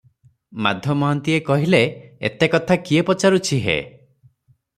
ମାଧ ମହାନ୍ତିଏ କହିଲେ, ଏତେ କଥା କିଏ ପଚାରୁଛି ହେ?